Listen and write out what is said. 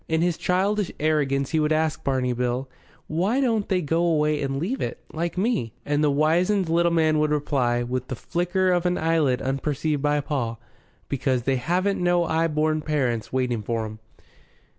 In his childish arrogance he would ask Barney Bill, "Why don't they go away and leave it, like me?" And the wizened little man would reply, with the flicker of an eyelid unperceived by Paul, "Because they haven't no 'igh born parents waiting for 'em.